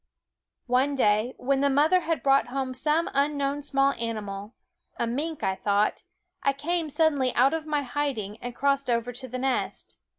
One day, when the mother had brought home some unknown small animal a mink, I thought I came suddenly out of my hiding and crossed over to the nest.